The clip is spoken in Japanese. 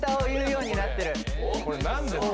これ何ですか？